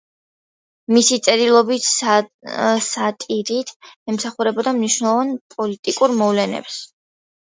მისი წერილები სატირით ეხმაურებოდა მნიშვნელოვან პოლიტიკურ მოვლენებს.